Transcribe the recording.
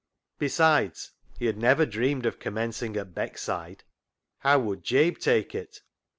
Besides, he had never dreamed of commenc ing at Beckside. Hov/ would Jabe take it?